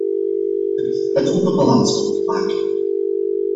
Het is tijd om de balans op te maken.